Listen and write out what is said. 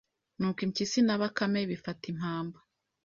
Nuko impyisi na Bakame bifata impamba